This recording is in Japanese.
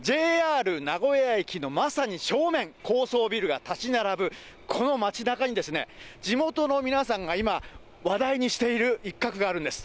ＪＲ名古屋駅のまさに正面、高層ビルが建ち並ぶこの街なかに、地元の皆さんが今、話題にしている一角があるんです。